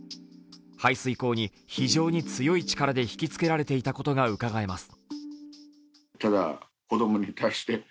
排水口に非常に強い力で引きつけられていたことがうかがえます。